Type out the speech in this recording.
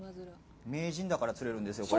名人だから釣れるんですよ、これ。